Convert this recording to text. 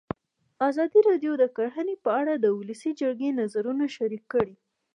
ازادي راډیو د کرهنه په اړه د ولسي جرګې نظرونه شریک کړي.